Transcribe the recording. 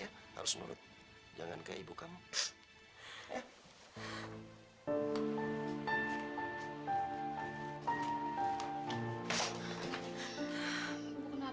istri murut dapat pahala